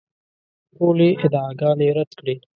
ټولې ادعاګانې رد کړې.